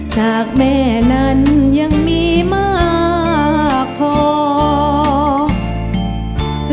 จากแม่นั้นยังมีมากพอ